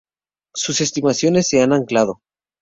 Sus estimaciones se han anclado.